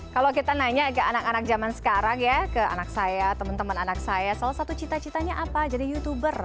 kalau kita nanya ke anak anak zaman sekarang ya ke anak saya teman teman anak saya salah satu cita citanya apa jadi youtuber